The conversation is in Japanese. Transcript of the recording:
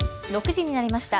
６時になりました。